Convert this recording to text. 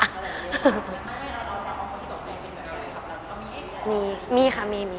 มีค่ะมีมีมีตามไปอะไรอย่างนี้ค่ะ